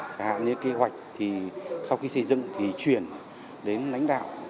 chẳng hạn như kế hoạch thì sau khi xây dựng thì chuyển đến lãnh đạo